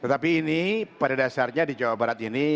tetapi ini pada dasarnya di jawa barat ini